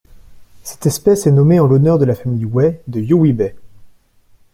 Cette espèce est nommée en l'honneur de la famille Way de Yowie Bay.